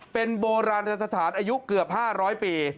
เป็นโบราณสถานอายุเกือบ๕๐๐ปี